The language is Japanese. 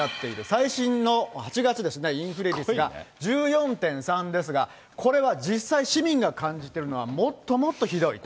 最新の８月ですね、インフレ率が１４．３ですが、これは実際、市民が感じてるのは、もっともっとひどいと。